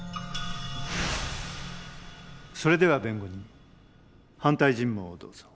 それでは弁護人反対尋問をどうぞ。